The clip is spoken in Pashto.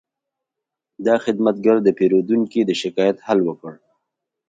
دا خدمتګر د پیرودونکي د شکایت حل وکړ.